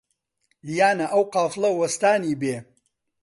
یا نە ئەو قافڵە وەستانی بێ؟